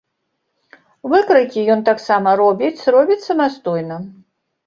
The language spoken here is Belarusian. Выкрайкі ён таксама робіць робіць самастойна.